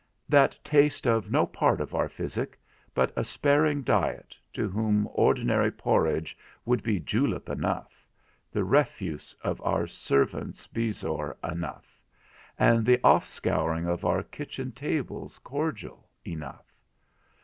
that taste of no part of our physic, but a sparing diet, to whom ordinary porridge would be julep enough, the refuse of our servants bezoar enough, and the offscouring of our kitchen tables cordial enough.